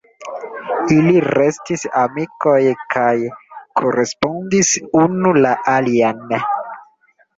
Ili restis amikoj kaj korespondis unu la alian.